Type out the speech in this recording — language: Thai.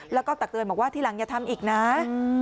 แล้วก็ตักเตือนบอกว่าทีหลังอย่าทำอีกนะ